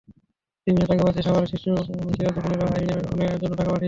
টিফিনের টাকা বাঁচিয়ে সাভারের শিশু সিরাজুম মুনিরাও আইরিনের জন্য টাকা পাঠিয়েছে।